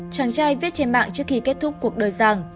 chàng trai viết trên mạng trước khi kết thúc cuộc đời rằng